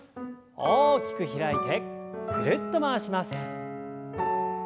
大きく開いてぐるっと回します。